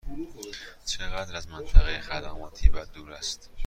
چقدر از منطقه خدمات بعدی دور است؟